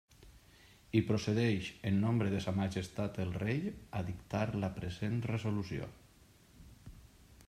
I procedeix, en nombre de sa majestat el rei, a dictar la present resolució.